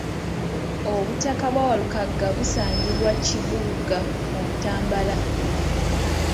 Obutaka bwa Walukagga busangibwa Kibugga mu Butambala.